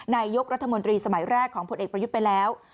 นายกรัฐมนตรีสมัยแรกของผลเอกประยุทธ์ไปแล้ว